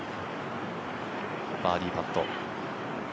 バーディーパット。